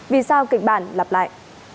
vì sao kịch bản lặp lại